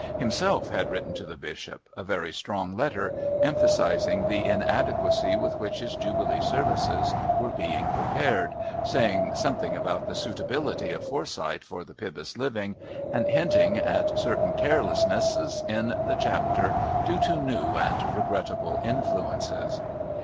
Himself had written to the Bishop a very strong letter, emphasising the inadequacy with which his Jubilee services were being prepared, saying something about the suitability of Forsyth for the Pybus living, and hinting at certain carelessnesses in the Chapter "due to new and regrettable influences."